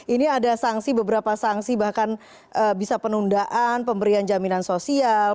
ini ada sanksi beberapa sanksi bahkan bisa penundaan pemberian jaminan sosial